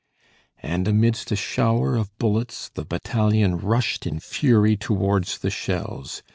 And amidst a shower of bullets the battalion rushed in fury towards the shells.